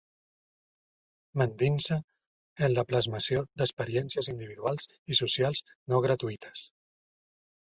M’endinse en la plasmació d’experiències individuals i socials no gratuïtes.